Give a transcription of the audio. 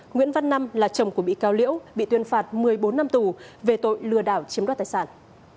nguyễn văn năm là chồng của bị cáo liễu bị tuyên phạt một mươi bốn năm tù về tội lừa đảo chiếm đoạt tài sản